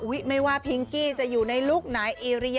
อุ้ยไม่ว่าพิ้งกี้จะอยู่ในลูกไหน